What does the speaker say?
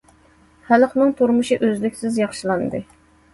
خەلقنىڭ تۇرمۇشى ئۈزلۈكسىز ياخشىلاندى.